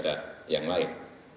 tidak ada yang lain